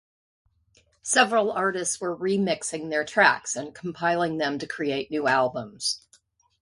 Several artists were remixing their tracks and compiling them to create new albums.